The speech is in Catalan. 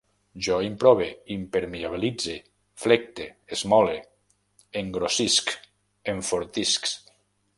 Jo improve, impermeabilitze, flecte, esmole, engrossisc, enfortisc